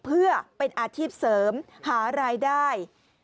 เพื่อเป็นอาชีพเสริมหารายได้